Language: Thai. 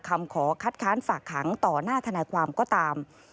ขอคัดค้านฝากขังต่อหน้าทนายความก็ตาม